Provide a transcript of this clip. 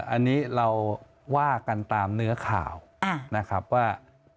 อันนี้เราว่ากันตามเนื้อข่าวนะครับว่า